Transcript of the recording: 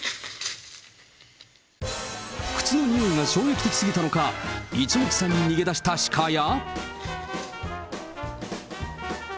靴の臭いが衝撃的すぎたのか、一目散に逃げ出したシカや。